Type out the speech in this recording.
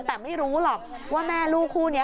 แต่ไม่รู้หรอกว่าแม่ลูกคู่นี้